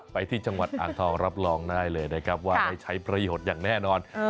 ไปที่จังหวัดอ่างทองรับรองได้เลยนะครับว่าได้ใช้ประโยชน์อย่างแน่นอน